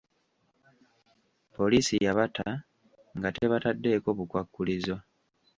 Poliisi yabata nga tebataddeeko bukwakkulizo.